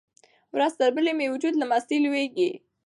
ورځ تر بلې مې وجود له مستۍ لویږي.